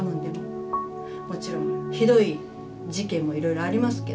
もちろんひどい事件もいろいろありますけど。